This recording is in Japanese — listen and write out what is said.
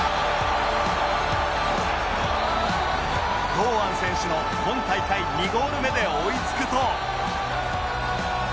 堂安選手の今大会２ゴール目で追いつくと